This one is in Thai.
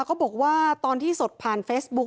เขาบอกว่าตอนที่สดผ่านเฟซบุ๊ค